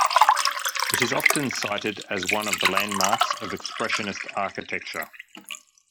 It is often cited as one of the landmarks of expressionist architecture.